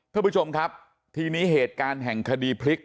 คุณผู้ชมครับทีนี้เหตุการณ์แห่งคดีพลิก